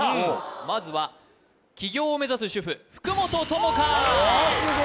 まずは起業を目指す主婦福元友香ああすごい！